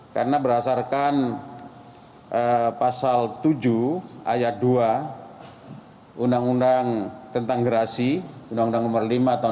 karena berdasarkan pasal tujuh ayat dua undang undang tentang gerasi undang undang nomor lima tahun dua ribu sepuluh